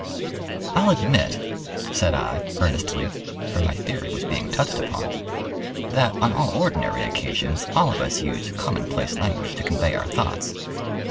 "I'll admit," said I, earnestly (for my theory was being touched upon), "that on all ordinary occasions all of us use commonplace language to convey our thoughts.